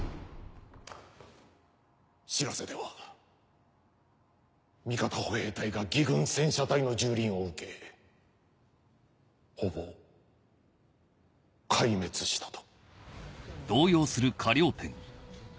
知らせでは味方歩兵隊が魏軍戦車隊の蹂躙を受けほぼ壊滅したと。